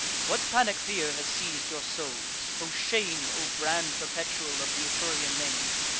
"What panic fear has seiz'd your souls? O shame, O brand perpetual of th' Etrurian name!